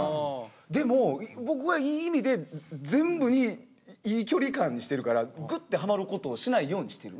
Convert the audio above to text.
でも僕はいい意味で全部にいい距離感にしてるからグッてハマることをしないようにしてる。